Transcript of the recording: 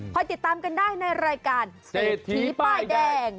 พอติดตามกันได้ในรายการเศรษฐีป้ายแดง